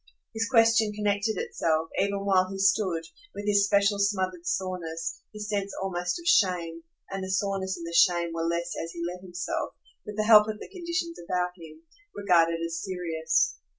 His question connected itself, even while he stood, with his special smothered soreness, his sense almost of shame; and the soreness and the shame were less as he let himself, with the help of the conditions about him, regard it as serious.